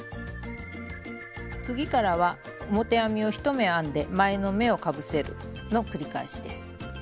次からは表編みを１目編んで前の目をかぶせるの繰り返しです。